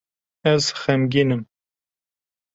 Ez xemgîn im.